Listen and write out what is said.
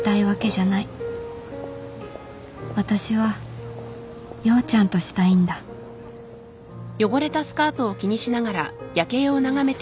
私は陽ちゃんとしたいんだハァ。